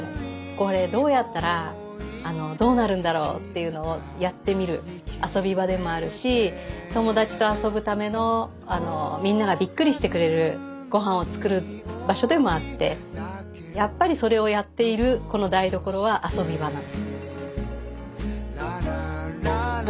これどうやったらどうなるんだろうっていうのをやってみる遊び場でもあるし友達と遊ぶためのみんながびっくりしてくれるごはんを作る場所でもあってやっぱりそれをやっているこの台所は遊び場なの。